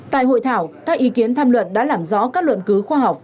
tại hội thảo các ý kiến tham luận đã làm rõ các luận cứu khoa học